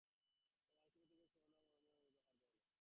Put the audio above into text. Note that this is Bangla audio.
এই মানুষটির প্রতি গভীর মমতা ও ভালবাসায় মুনিরের হৃদয় আর্দ্র হল।